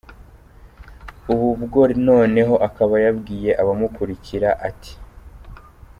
Ubu bwo noneho akaba yabwiye abamukurira ati:.